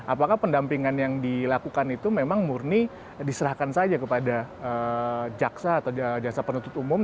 apakah pendampingan yang dilakukan itu memang murni diserahkan saja kepada jaksa atau jaksa penuntut umum